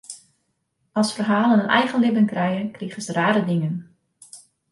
As ferhalen in eigen libben krije, krigest rare dingen.